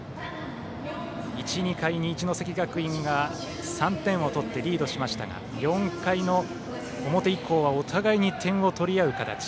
１、２回に一関学院が３点を取ってリードしましたが４回の表以降はお互いに点を取り合う形。